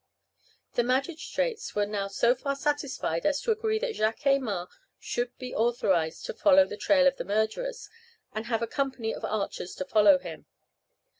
The magistrates were now so far satisfied as to agree that Jacques Aymar should be authorized to follow the trail of the murderers, and have a company of archers to follow him.